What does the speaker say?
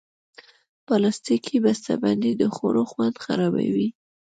پلاستيکي بستهبندۍ د خوړو خوند خرابوي.